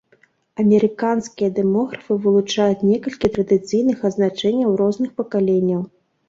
Амерыканскія дэмографы вылучаюць некалькі традыцыйных азначэнняў розных пакаленняў.